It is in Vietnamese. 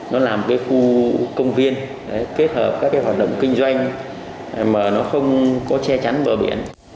nó làm cái khu công viên kết hợp các hoạt động kinh doanh mà nó không có che chắn bờ biển